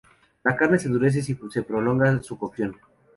La carne se endurece si se prolonga su cocción.